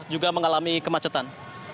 juga mengalami kemacetan